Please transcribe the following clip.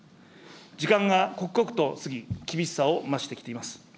時間が刻々と過ぎ、厳しさを増してきています。